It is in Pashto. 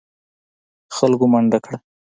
خلکو منډه کړه.